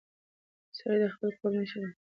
سړی د خپلې کورنۍ مشر دی.